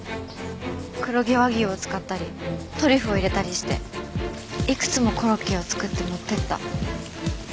黒毛和牛を使ったりトリュフを入れたりしていくつもコロッケを作って持っていった。